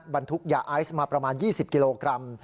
บรรทุกยาไอซ์มาประมาณ๒๐กิโลกรัม